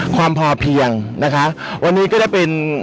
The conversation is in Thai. ความพอเพียงนะคะวันนี้ก็ได้เป็น